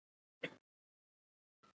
له مشابه بنسټي نوښتونو څخه برخمنه وه.